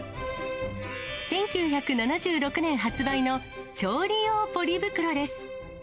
１９７６年発売の調理用ポリ袋です。